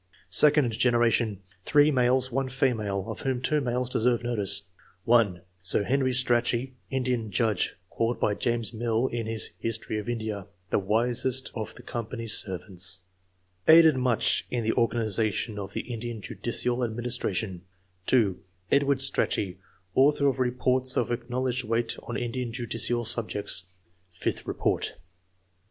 Second generation. — 3 males, 1 female, of whom 2 males deserve notice :— (l) Sir Henry Strachey, Indian judge, called by James MQl, in his "History of India," "the wisest of the Company's servants ;" aided much in the organi zation of the Indian judicial administration ; (2) Edward Strachey, author of reports of acknowledged weight on Indian judicial subjects (Vth Report).